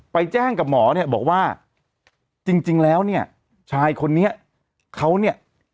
ไปแจ้งกับหมอเนี่ยบอกว่าจริงแล้วเนี่ยชายคนนี้เขาเนี่ย